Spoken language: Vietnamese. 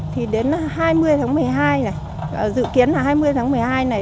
thì đến hai mươi tháng một mươi hai này dự kiến là hai mươi tháng một mươi hai này